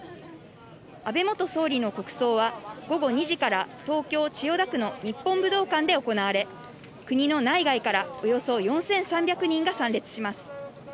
安倍元総理の国葬は午後２時から東京・千代田区の日本武道館で行われ、国の内外からおよそ４３００人が参列します。